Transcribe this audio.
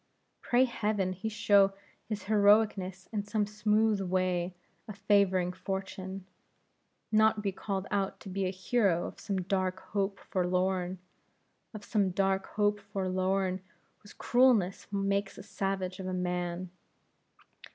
Pray heaven he show his heroicness in some smooth way of favoring fortune, not be called out to be a hero of some dark hope forlorn; of some dark hope forlorn, whose cruelness makes a savage of a man.